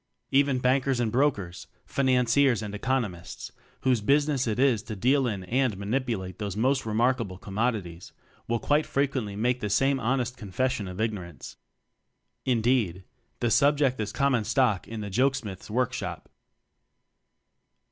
Even Bankers and Brokers, Financiers and Economists, whose business it is to deal in and mani pulate these most remarkable com modities, will quite frequently make the same honest confession of ignor ance. Indeed, the subject is common stock in the jokesmith's workshop.